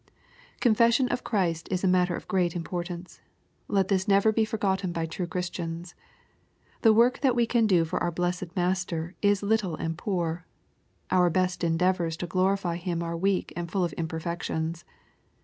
Confession of Christ is a matter of great importance. Let this never be forgotten by true Christians. The work that we can do for our blessed Master is little and poor. Our best endeavors to glorify Him are weak and full of imperfections.